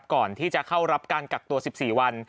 ก่อนที่จะเข้ารับการกักตัว๑๔วัน